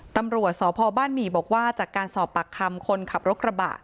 ตำรวจสพบ้านหมี่บอกว่าจากการสอบปากคำคนขับรถกระบะ